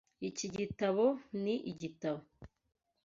Iki gitabo nigitabo.